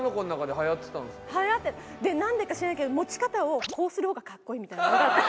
でなんでか知らないけど持ち方をこうする方が格好いいみたいなのがあって。